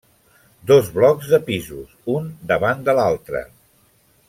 Dos blocs de pisos, un davant de l'altre.